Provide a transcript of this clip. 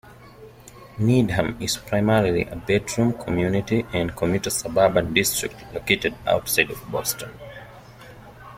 Needham is primarily a bedroom community and commuter suburban district located outside of Boston.